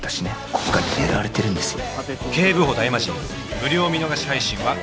国家に狙われてるんですよ。